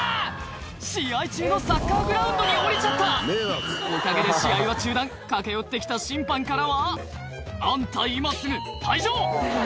試合中のサッカーグラウンドに降りちゃったおかげで試合は中断駆け寄って来た審判からは「あんた今すぐ退場！」